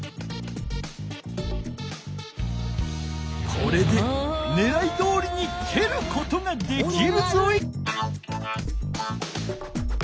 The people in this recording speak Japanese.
これでねらいどおりにけることができるぞい。